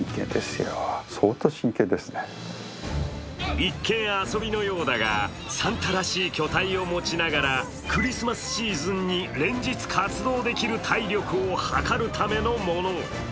一見遊びのようだが、サンタらしい巨体を持ちながらクリスマスシーズンに連日活動できる体力を測るためのもの。